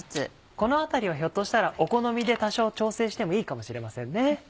この辺りはひょっとしたらお好みで多少調整してもいいかもしれませんね。